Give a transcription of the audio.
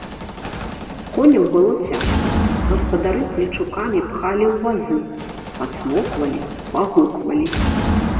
Коням было цяжка, гаспадары плечукамі пхалі ў вазы, пацмоквалі, пагуквалі.